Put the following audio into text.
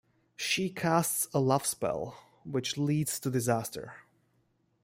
She casts a love spell, which leads to disaster.